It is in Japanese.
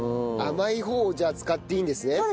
甘い方をじゃあ使っていいんですね。